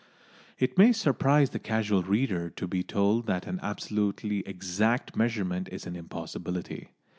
It may surprise the casual reader to be told that an absolutely exact measurement is an impossibility.